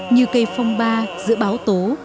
như cây phong ba giữa báo tố